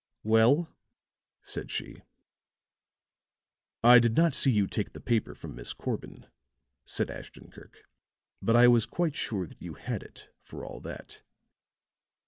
"Well?" said she. "I did not see you take the paper from Miss Corbin," said Ashton Kirk. "But I was quite sure that you had it, for all that."